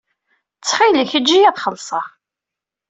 Ttxil-k eǧǧ-iyi ad xellṣeɣ.